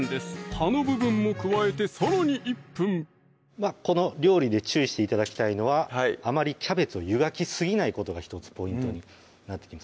葉の部分も加えてさらに１分この料理で注意して頂きたいのはあまりキャベツを湯がきすぎないことが１つポイントになってきます